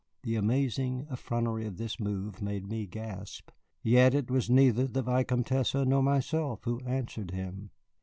The amazing effrontery of this move made me gasp. Yet it was neither the Vicomtesse nor myself who answered him.